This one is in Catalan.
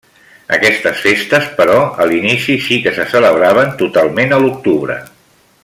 Aquestes festes però a l'inici sí que se celebraven totalment a l'octubre.